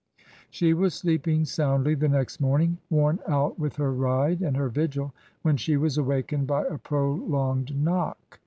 She was sleeping soundly the next morning, worn out with her ride and her vigil, when she was awakened by a prolonged knock.